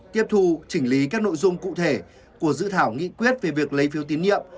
tiếp thu chỉnh lý các nội dung cụ thể của dự thảo nghị quyết về việc lấy phiếu tín nhiệm